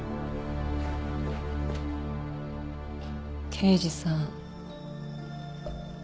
刑事さん。